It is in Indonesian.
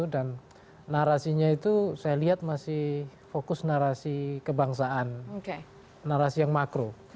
dan narasinya itu saya lihat masih fokus narasi kebangsaan narasi yang makro